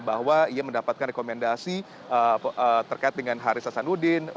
bahwa ia mendapatkan rekomendasi terkait dengan harissa sanudin